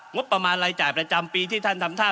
งบประมาณรายจ่ายประจำปีที่ท่านทำท่า